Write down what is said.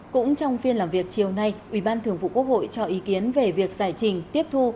cũng trong phiên làm việc chiều nay ubnd cho ý kiến về việc giải trình tiếp thu